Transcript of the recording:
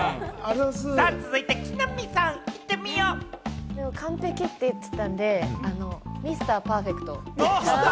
続いて木南さん、いってみよ完璧って言ってたんで、ミスターパーフェクト。